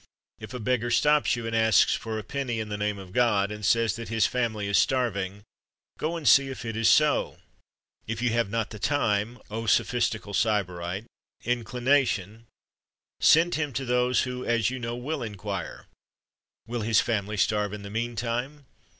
If a beggar stops you and asks for a penny in the name of God, and says that his family is starving, go and see if it is so. If you have not the time O sophistical Sybarite! inclination send him to those who, as you know, will inquire. Will his family starve in the meantime?